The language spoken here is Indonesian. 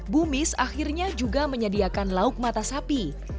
bu mis akhirnya juga menyediakan lauk mata sapi